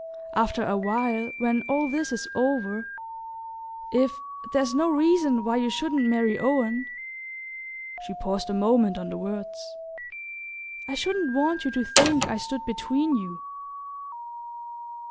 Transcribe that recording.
after a while, when all this is over ... if there's no reason why you shouldn't marry Owen " she paused a moment on the words "I shouldn't want you to think I stood between you..."